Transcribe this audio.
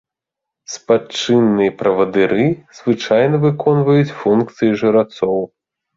Спадчынныя правадыры звычайна выконваюць функцыі жрацоў.